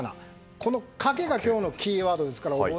このカケが今日のキーワードです。